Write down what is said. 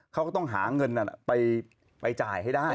เขาก็ต้องหาเงินไปจ่ายให้ได้